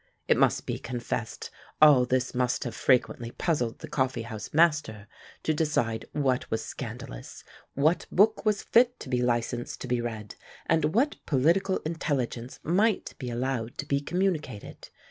It must be confessed, all this must have frequently puzzled the coffee house master to decide what was scandalous, what book was fit to be licensed to be read, and what political intelligence might be allowed to be communicated.